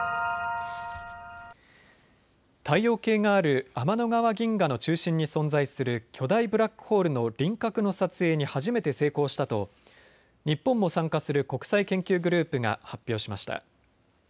太陽系がある天の川銀河の中心に存在する巨大ブラックホールの輪郭の撮影に初めて成功したと日本も参加する国際研究グループが発表しました。